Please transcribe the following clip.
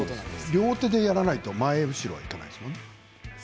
両手でやらないと前後ろということですよね。